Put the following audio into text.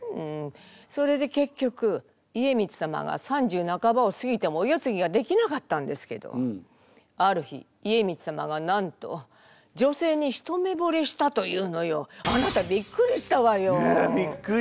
それで結局家光様が３０半ばを過ぎてもお世継ぎができなかったんですけどある日家光様がなんと女性に一目ぼれしたというのよ。あなたびっくりしたわよ。ねえびっくり。